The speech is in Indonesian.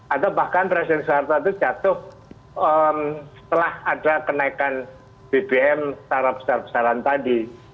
atau bahkan presiden soeharto itu jatuh setelah ada kenaikan bbm secara besar besaran tadi